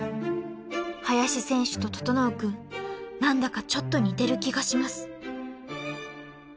［林選手と整君何だかちょっと似てる気がします］